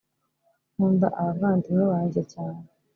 nkunda abavandimwe banjye cyane